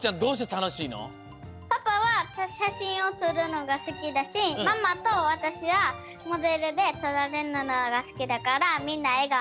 パパはしゃしんをとるのがすきだしママとわたしはモデルでとられるのがすきだからみんなえがおになる。